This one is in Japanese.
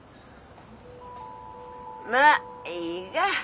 まあいいが。